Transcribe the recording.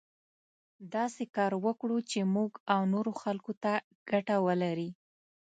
داسې کار وکړو چې موږ او نورو خلکو ته ګټه ولري.